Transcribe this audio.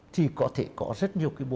thì có thể có rất nhiều cái bộ